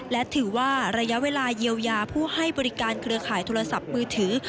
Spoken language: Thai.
และถือว่าระยะเวลาเยียวยาผู้ให้บริการเครือข่ายโทรศัพท์มือถือ